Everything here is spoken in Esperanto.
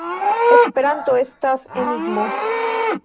Esperanto estas enigmo.